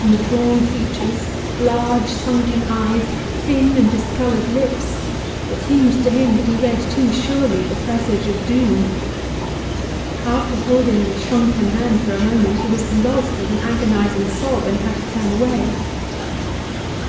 In the drawn features, large sunken eyes, thin and discoloured lips, it seemed to him that he read too surely the presage of doom. After holding the shrunken hand for a moment he was convulsed with an agonising sob, and had to turn away.